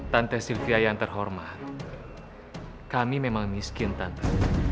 tante sylvia yang terhormat kami memang miskin tante